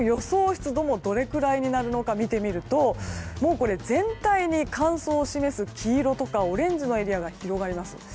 湿度もどのくらいになるのか見てみると全体に乾燥を示す黄色とかオレンジのエリアが広がります。